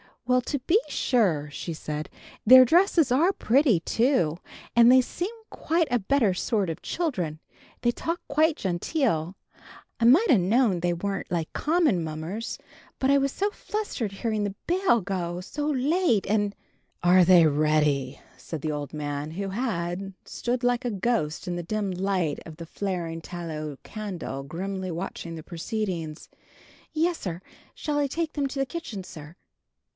"Well, to be sure," said she, "their dresses are pretty, too. And they seem quite a better sort of children, they talk quite genteel. I might ha' knowed they weren't like common mummers, but I was so flusterated hearing the bell go so late, and " "Are they ready?" said the old man, who had stood like a ghost in the dim light of the flaring tallow candle, grimly watching the proceedings. "Yes, sir. Shall I take them to the kitchen, sir?"